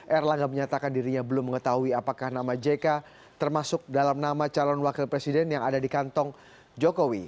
erlangga menyatakan dirinya belum mengetahui apakah nama jk termasuk dalam nama calon wakil presiden yang ada di kantong jokowi